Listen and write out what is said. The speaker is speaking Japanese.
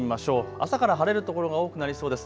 朝から晴れる所が多くなりそうです。